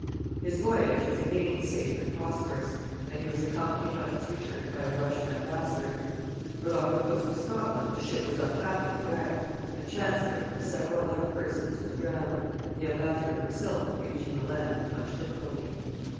His voyage was again safe and prosperous, and he was accompanied on his return by a Russian ambassador; but off the coast of Scotland the ship was unhappily wrecked, and Chancellor with several other persons was drowned; the ambassador himself reaching the land with much difficulty.